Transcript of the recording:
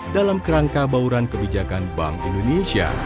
dalam kerangka bauran kebijakan bank indonesia